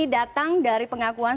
datang dari pengakuan